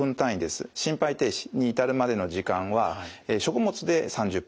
心肺停止に至るまでの時間は食物で３０分と。